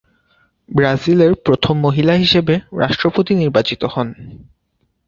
ব্রাজিলের প্রথম মহিলা হিসেবে রাষ্ট্রপতি নির্বাচিত হন।